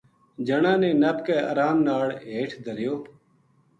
جنا نے نپ کے ارام ناڑ ہیٹھ دھریو